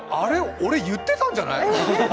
俺言ってたんじゃない？